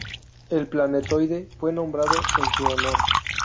El planetoide fue nombrado en su honor.